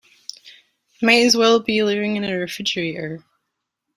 Might as well be living in a refrigerator.